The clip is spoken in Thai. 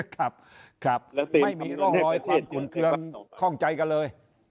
ครับครับไม่มีร่องรอยความขุนเครื่องคล่องใจกันเลย